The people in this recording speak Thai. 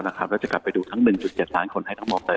แล้วจะกลับไปดูทั้ง๑๗ล้านคนให้ทั้งมอเตอร์